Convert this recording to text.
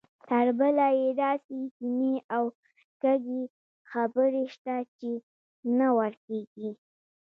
تربله یې داسې کینې او کږې خبرې شته چې نه ورکېږي.